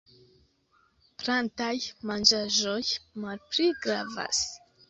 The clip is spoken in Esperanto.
Plantaj manĝaĵoj malpli gravas.